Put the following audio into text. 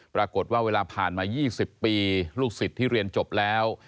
เวลาผ่านมา๒๐ปีลูกศิษย์ที่เรียนจบแล้ว